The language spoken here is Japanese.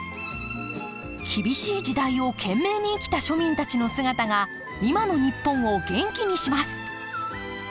厳しい時代を懸命に生きた庶民たちの姿が今の日本を元気にします！